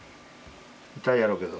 痛いやろうけど。